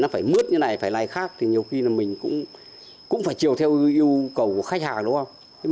phải mứt như này phải lại khác thì nhiều khi mình cũng phải chịu theo yêu cầu của khách hàng đúng không